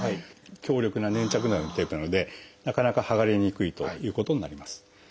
強力な粘着のあるテープなのでなかなかはがれにくいということになります。